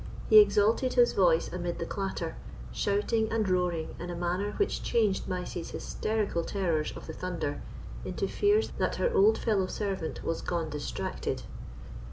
He exalted his voice amid the clatter, shouting and roaring in a manner which changed Mysie's hysterical terrors of the thunder into fears that her old fellow servant was gone distracted.